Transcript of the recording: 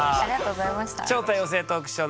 「超多様性トークショー！